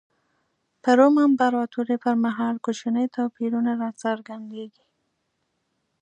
په روم امپراتورۍ پر مهال کوچني توپیرونه را څرګندېږي.